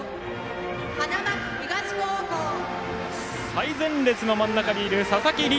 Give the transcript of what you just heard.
最前列の真ん中にいる佐々木鱗